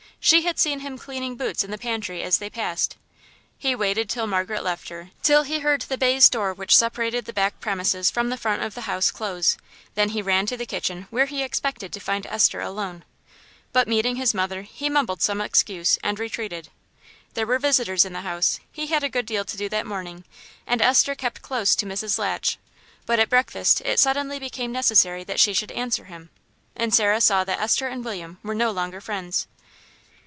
She had seen him cleaning boots in the pantry as they passed. He waited till Margaret left her, till he heard the baize door which separated the back premises from the front of the house close, then he ran to the kitchen, where he expected to find Esther alone. But meeting his mother he mumbled some excuse and retreated. There were visitors in the house, he had a good deal to do that morning, and Esther kept close to Mrs. Latch; but at breakfast it suddenly became necessary that she should answer him, and Sarah saw that Esther and William were no longer friends.